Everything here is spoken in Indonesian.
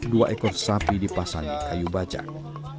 dua ekor sapi dipasangi kayu bajak